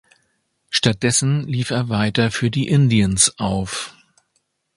Stattdessen lief er weiter für die Indians auf.